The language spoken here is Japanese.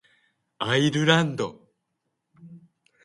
アイルランド